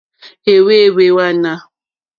Ɛ̀hwɛ́hwɛ́ wààná.